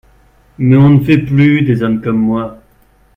Mais on ne fait plus des hommes comme moi.